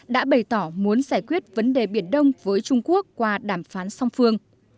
đã bày tỏ muốn giải quyết vấn đề biển đông với trung quốc qua đàm phán song phương